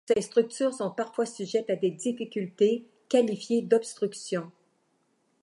Ces structures sont parfois sujettes à des difficultés, qualifiées d'obstructions.